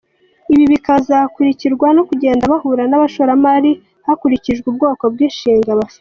Ibi bikazakurikirwa no kugenda bahura n’bashoramari hakurikijwe ubwoko bw’imishinga bafite.